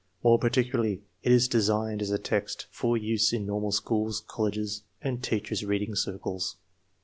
More particularly, it is designed as a text for use in normal schools, colleges, and teachers' reading circles.